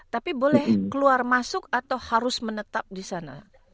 tapi boleh keluar masuk atau harus menetap di sana